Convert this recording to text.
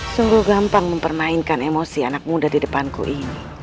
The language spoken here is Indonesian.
sungguh gampang mempermainkan emosi anak muda di depanku ini